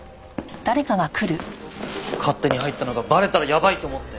勝手に入ったのがバレたらやばいと思って。